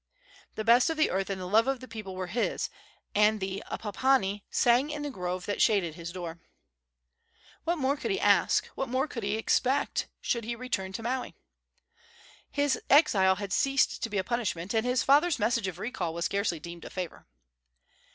The best of the earth and the love of the people were his, and the apapani sang in the grove that shaded his door. What more could he ask, what more expect should he return to Maui? His exile had ceased to be a punishment, and his father's message of recall was scarcely deemed a favor.